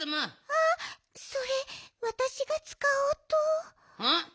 あっそれわたしがつかおうと。